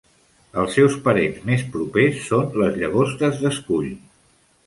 Els seus parents més propers són les llagostes d'escull.